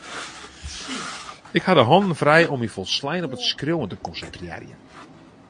Ik ha de hannen frij om my folslein op it skriuwen te konsintrearjen.